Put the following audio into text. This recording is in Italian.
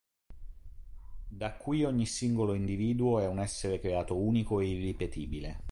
Da qui ogni singolo individuo è un essere creato unico e irripetibile.